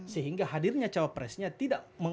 sehingga hadirnya cawa presnya tidak